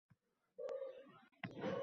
Nega banda boʻlib biz oʻshandaymasmiz